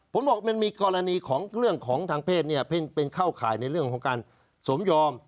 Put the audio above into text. ผมบอกมันมีกรณีของเรื่องของทางเพศเนี่ยเป็นเข้าข่ายในเรื่องของการสมยอม